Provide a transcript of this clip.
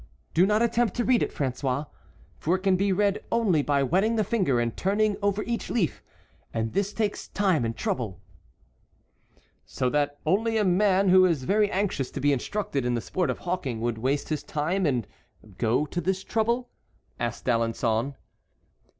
Do not attempt to read it, François, for it can be read only by wetting the finger and turning over each leaf, and this takes time and trouble." "So that only a man who is very anxious to be instructed in the sport of hawking would waste his time and go to this trouble?" asked D'Alençon.